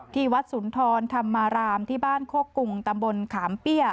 ที่วัดสุนทรธรรมารามที่บ้านโคกรุงตำบลขามเปี้ย